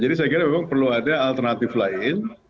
jadi saya kira memang perlu ada alternatif lain